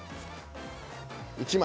１枚。